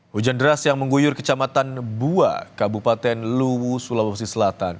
hujan deras yang mengguyur kecamatan bua kabupaten luwu sulawesi selatan